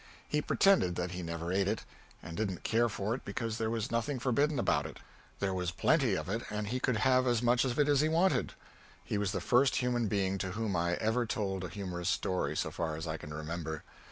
He pretended that he never ate it, and didn't care for it because there was nothing forbidden about it there was plenty of it and he could have as much of it as he wanted. He was the first human being to whom I ever told a humorous story, so far as I can remember.